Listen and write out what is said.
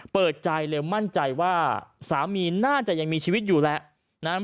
เปิดใจแล้วมั่นใจว่าสามีน่าจะยังมีชีวิตอยู่แหละ